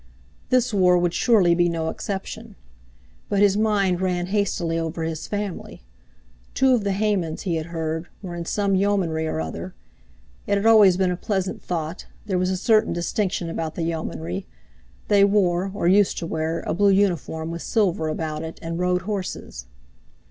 This war would surely be no exception. But his mind ran hastily over his family. Two of the Haymans, he had heard, were in some Yeomanry or other—it had always been a pleasant thought, there was a certain distinction about the Yeomanry; they wore, or used to wear, a blue uniform with silver about it, and rode horses.